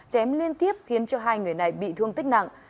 chém liên tiếp khiến cho hai người này bị thương tích nặng